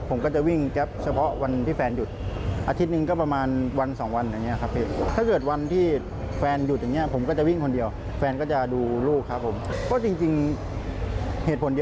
กดตั้งออกไปวิ่งอาทิตย์ระวัน๒วันเงินก็ไม่พอ